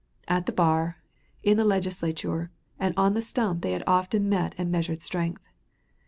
At the bar, in the Legislature, and on the stump they had often met and measured strength.